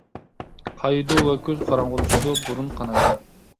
قايىدۇ ۋە كۆز قاراڭغۇلىشىدۇ، بۇرۇن قانايدۇ.